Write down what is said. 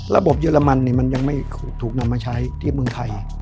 เยอรมันมันยังไม่ถูกนำมาใช้ที่เมืองไทย